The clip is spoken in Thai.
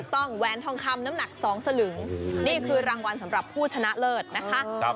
แหวนทองคำน้ำหนัก๒สลึงนี่คือรางวัลสำหรับผู้ชนะเลิศนะคะ